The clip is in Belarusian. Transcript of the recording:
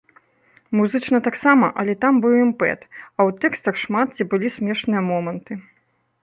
Музычна таксама, але там быў імпэт, а ў тэкстах шмат дзе былі смешныя моманты.